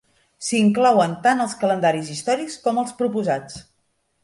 S'hi inclouen tant els calendaris històrics com els proposats.